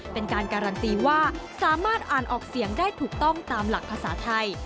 เป็นการการันตีว่าสามารถอ่านออกเสียงได้ถูกต้องตามหลักภาษาไทย